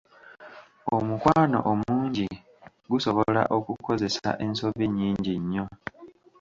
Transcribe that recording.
Omukwano omungi gusobola okukozesa ensobi nnyingi nnyo.